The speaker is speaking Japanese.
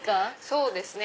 そうですね。